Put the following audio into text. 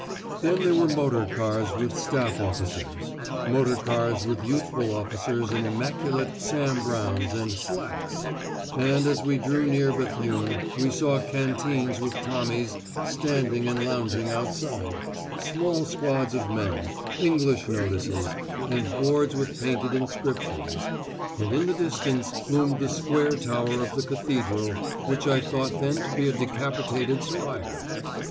Then there were motor cars with Staff officers; motor cars with youthful officers in immaculate Sam Brownes and "slacks"; and as we drew nearer Béthune, we saw canteens with Tommies standing and lounging outside, small squads of men, English notices, and boards with painted inscriptions, ++++| BILLETS. ||| such as | Officers 2 | or | H.Q. || Men 30 | |117th Inf. Bde. |++++ and in the distance loomed the square tower of the cathedral, which I thought then to be a decapitated spire.